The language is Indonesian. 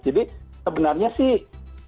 jadi sebenarnya sih